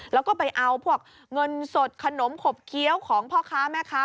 แล้วก็ไปเอาพวกเงินสดขนมขบเคี้ยวของพ่อค้าแม่ค้า